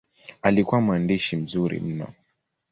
Alikuwa mwandishi mzuri mno.